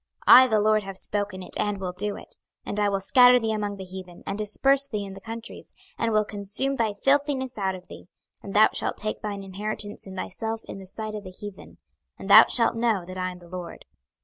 I the LORD have spoken it, and will do it. 26:022:015 And I will scatter thee among the heathen, and disperse thee in the countries, and will consume thy filthiness out of thee. 26:022:016 And thou shalt take thine inheritance in thyself in the sight of the heathen, and thou shalt know that I am the LORD.